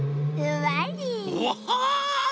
うわ！